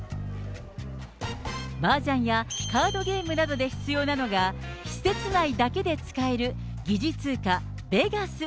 マージャンやカードゲームなどで必要なのが、施設内だけで使える疑似通貨ベガス。